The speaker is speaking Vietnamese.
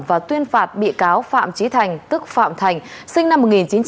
và tuyên phạt bị cáo phạm trí thành tức phạm thành sinh năm một nghìn chín trăm tám mươi